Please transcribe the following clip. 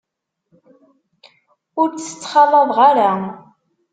Ur t-ttxalaḍeɣ ara.